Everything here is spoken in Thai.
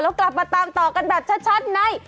แล้วกลับมาตามต่อกันแบบชัดใน